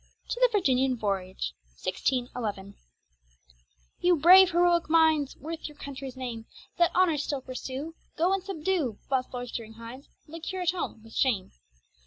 TO THE VIRGINIAN VOYAGE You brave heroic minds, Worthy your country's name, That honor still pursue, Go and subdue, Whilst loitering hinds Lurk here at home, with shame.